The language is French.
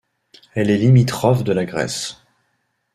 Elle est limitrophe de la Grèce.